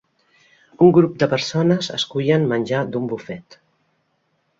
Un grup de persones escullen menjar d"un bufet